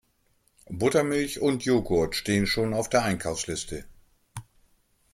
Buttermilch und Jogurt stehen schon auf der Einkaufsliste.